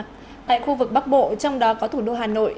tại khu vực bắc bộ trong đó có thủ đô hà nội